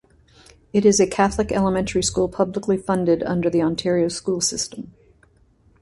It is a Catholic elementary school publicly funded under the Ontario school system.